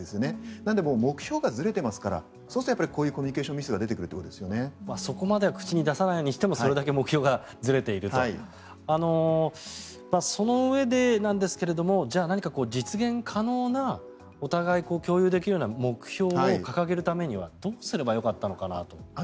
なので、目標がずれていますからそうするとこういうコミュニケーションミスが口には出さなくてもそれだけ目標がずれているとそのうえでなんですがじゃあ何か実現可能なお互いに共有可能な目標を掲げるためにはどうすればよかったのかなと。